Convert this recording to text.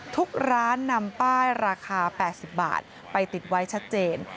ทุกร้านนำป้ายราคา๘๐บาทไปติดไว้ชัดเจน